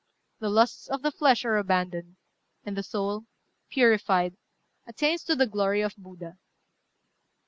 The lusts of the flesh are abandoned; and the soul, purified, attains to the glory of Buddha."